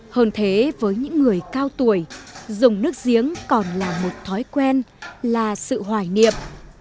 hơn thế với những người cao tuổi dùng nước giếng còn là một thói quen là sự hoài niệm